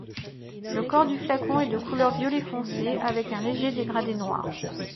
Le corps du flacon est de couleur violet foncé, avec un léger dégradé noir.